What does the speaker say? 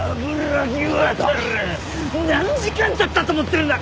何時間経ったと思ってるんだ！？